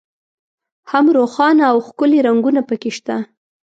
هم روښانه او ښکلي رنګونه په کې شته.